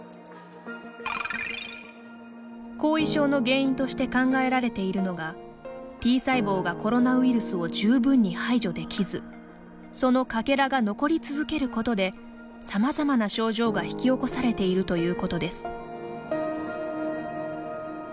後遺症の原因として考えられているのがＴ細胞がコロナウイルスを十分に排除できずそのかけらが残り続けることでさまざまな症状が引き起こされているということです。